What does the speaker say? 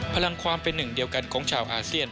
พลังความเป็นหนึ่งเดียวกันของชาวอาเซียน